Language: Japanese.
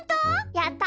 やった！